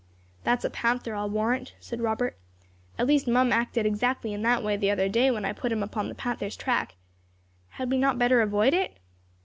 "That is a panther, I'll warrant," said Robert. "At least Mum acted exactly in that way the other day when I put him upon the panther's track. Had we not better avoid it?"